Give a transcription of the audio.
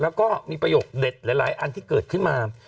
แล้วก็มีประโยคเด็ดหลายอันที่เกิดขึ้นมา